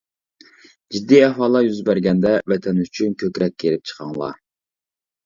جىددىي ئەھۋاللار يۈز بەرگەندە، ۋەتەن ئۈچۈن كۆكرەك كېرىپ چىقىڭلار.